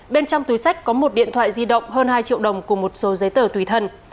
bên trong túi sách có một điện thoại di động hơn hai triệu đồng cùng một số giấy tờ tùy thân